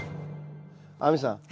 亜美さん。